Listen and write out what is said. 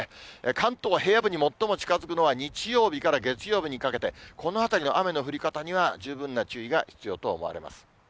関東の平野部に最も近づくのは日曜日から月曜日にかけて、このあたりの雨の降り方には十分な注意が必要と思われます。